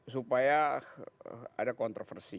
supaya ada kontroversi